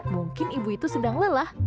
mungkin ibu itu sedang lelah